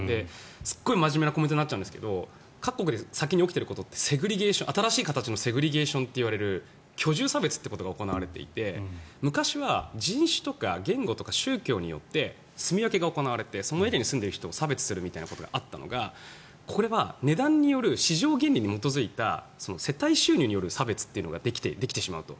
すごい真面目なことになるんですけど各国で先に起きてることって新しい形のセグリゲーションといわれる居住差別が行われていて昔は人種、言語、宗教によってすみ分けが行われてそのエリアに住んでいる人を差別するみたいなことがあったのがこれは値段による市場原理に基づいた世帯収入による差別ができてしまうと。